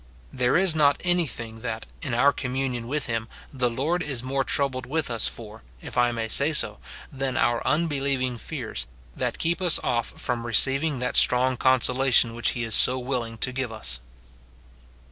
There is not any thing that, in our communion with him, the Lord is more troubled with us for, if I may so say, than our unbelieving fears, that keep us off from receiving that strong consolation which he is so willing to give us.